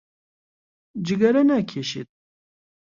جگەرە ناکێشێت.